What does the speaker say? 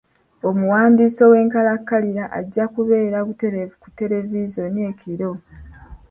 Omuwandiisi ow'enkalakalira ajja kubeera butereevu ku televizoni ekiro.